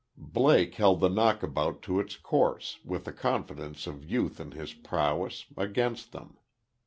Blake held the knockabout to its course, with the confidence of youth in his prowess, against them.